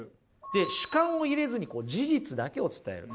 で主観を入れずに事実だけを伝える。